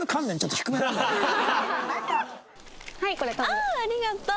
ああーありがとう。